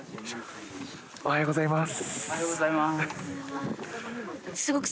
おはようございます。